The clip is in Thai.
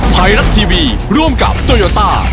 ไทยรัฐทีวีร่วมกับโตโยต้า